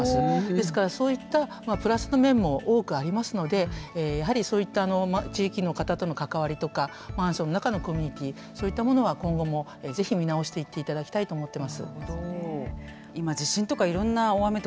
ですからそういったプラスの面も多くありますのでやはりそういった地域の方との関わりとかマンションの中のコミュニティそういったものは今後も是非見直していっていただきたいと思ってます。